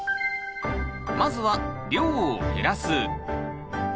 まずは「量を減らす」。